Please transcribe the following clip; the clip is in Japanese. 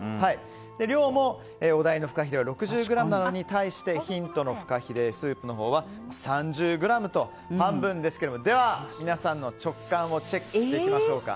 量も、お題のフカヒレは６０ｇなのに対してヒントのふかひれスープは３０ｇと半分ですけども皆さんの直感をチェックしていきましょうか。